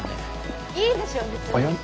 いいでしょ別に。